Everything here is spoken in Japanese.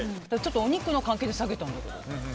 お肉の関係で下げたんだけど。